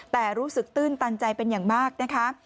แต่รู้สึกตื้นตันใจเป็นอย่างมากนะคะ